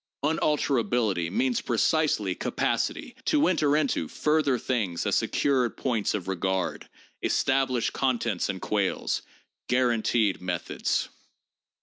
Unalterability means precisely capacity to enter into further things as secured points of regard, established contents and quales, guaranteed methods.